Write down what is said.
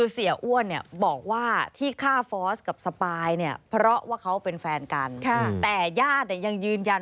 จากเด็กตั้งแต่มัธยม